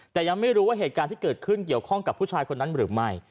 แต่ยังไม่รู้ว่าเหตุการณ์ที่เกิดขึ้นเกี่ยวข้องกับผู้ชายคนนั้นหรือไม่